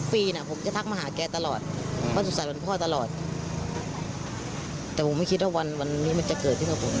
พ่อห้างอยู่สุดท้ายเวลาก็คิดว่าวันนี้จะเกิดขึ้นครับผม